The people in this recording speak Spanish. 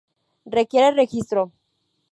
Requiere registro